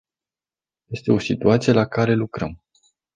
Este o situație la care lucrăm.